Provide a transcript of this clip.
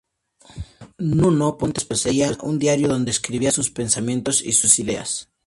Nuno Pontes poseía un diario donde escribía sus pensamientos y sus ideas.